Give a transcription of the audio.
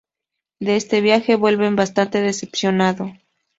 De este viaje vuelve bastante decepcionado.